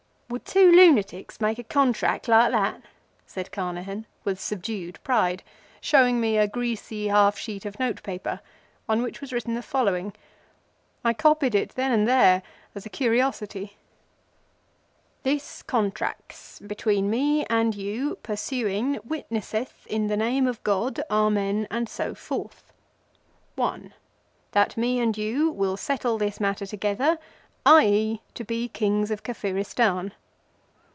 "Would two lunatics make a Contrack like that!" said Carnehan, with subdued pride, showing me a greasy half sheet of note paper on which was written the following. I copied it, then and there, as a curiosity:— This Contract between me and you persuing witnesseth in the name of God—Amen and so forth. (One) That me and you will settle this matter together: i.e., to be Kings of Kafiristan.